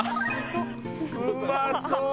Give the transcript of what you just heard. うまそう！